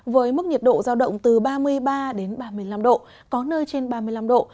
với mức nhiệt độ giao động từ ba mươi ba đến ba mươi năm độ có nơi trên ba mươi năm độ